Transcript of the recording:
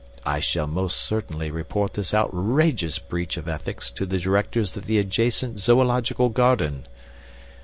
I shall most certainly report this outrageous breach of ethics to the directors of the adjacent zoological garden."